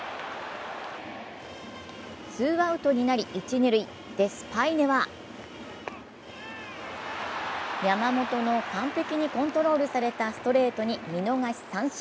ツーアウトになり一・二塁、デスパイネは山本の完璧にコントロールされたストレートに見逃し三振。